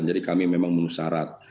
jadi kami memang menusarat